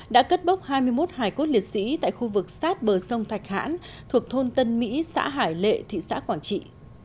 đã cất bốc hai mươi một hải cốt liệt sĩ tại khu vực sát bờ sông thạch hãn thuộc thôn tân mỹ xã hải lệ thị xã quảng trị